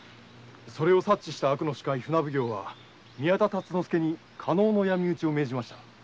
それを察知した船奉行は宮田達之助に加納の仇討ちを命じました。